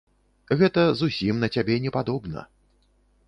Гэта зусім на цябе не падобна.